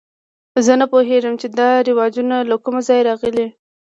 زه نه پوهېږم چې دا رواجونه له کومه ځایه راغلي.